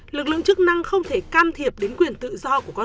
lực lượng chức năng không thể can thiệp đến quyền tự do